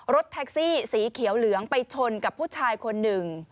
รถแท็กซี่สีเขียวเหลืองไปชนกับผู้ชายคนหนึ่ง